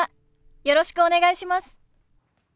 よろしくお願いします。